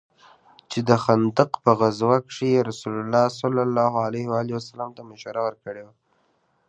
چې د خندق په غزوه كښې يې رسول الله ته مشوره وركړې وه.